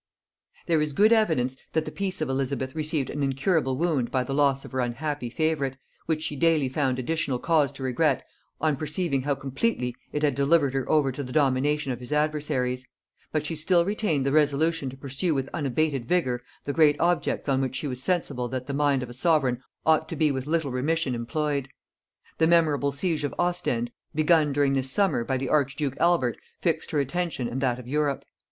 There is good evidence that the peace of Elizabeth received an incurable wound by the loss of her unhappy favorite, which she daily found additional cause to regret on perceiving how completely it had delivered her over to the domination of his adversaries; but she still retained the resolution to pursue with unabated vigor the great objects on which she was sensible that the mind of a sovereign ought to be with little remission employed. The memorable siege of Ostend, begun during this summer by the archduke Albert, fixed her attention and that of Europe.